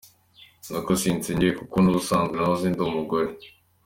Nako sinsezeye kuko n’ubusanzwe nahoze ndi umugore.